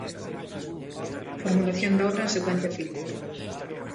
A formulación da obra en secuencia fílmica.